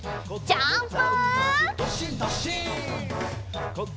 ジャンプ！